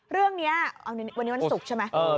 เรื่องนี้วันนี้วันศุกร์ใช่ไหม